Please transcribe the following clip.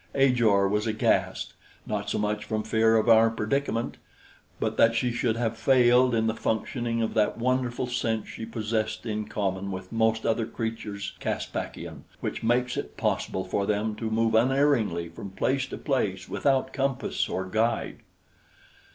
Ajor was aghast not so much from fear of our predicament; but that she should have failed in the functioning of that wonderful sense she possessed in common with most other creatures Caspakian, which makes it possible for them to move unerringly from place to place without compass or guide.